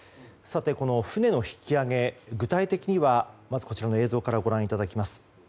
さて、この船の引き揚げ具体的にはまず、こちらの映像からご覧いただきます。